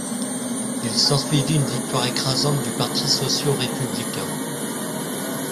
Il s'ensuivit une victoire écrasante du parti socio-républicain.